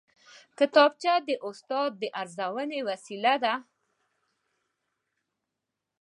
کتابچه د استاد د ارزونې وسیله ده